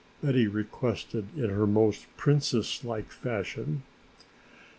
Betty requested in her most Princess like fashion.